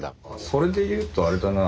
それでいうとあれだな